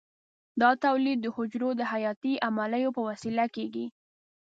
دا تولید د حجرو د حیاتي عملیو په وسیله کېږي.